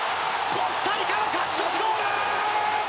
コスタリカの勝ち越しゴール！